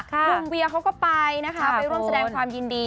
หนุ่มเวียเขาก็ไปนะคะไปร่วมแสดงความยินดี